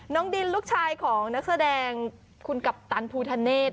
น้องดินลูกชายของนักแสดงคุณกัปตันภูทะเนธ